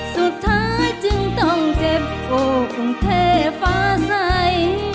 สุดท้ายจึงต้องเจ็บโกกรุงเทพฟ้าใส